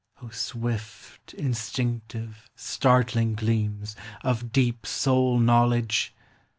O swift, instinctive, startling gleams Of deep soul knowledge